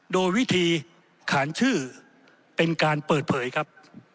โดยวิธีขานชื่อเป็นการเปิดเผยครับ